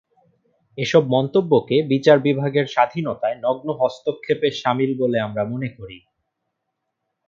এসব মন্তব্যকে বিচার বিভাগের স্বাধীনতায় নগ্ন হস্তক্ষেপের শামিল বলে আমরা মনে করি।